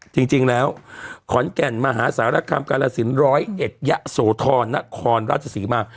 จริงจริงแล้วขอนแก่นมหาศาลกรรมการละศิลป์ร้อยเอ็ดยะโสธอนนครราชศรีมาก